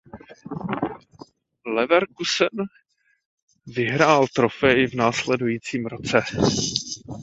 Leverkusen vyhrál trofej v následujícím roce.